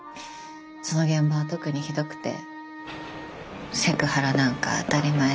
その現場は特にひどくてセクハラなんか当たり前で。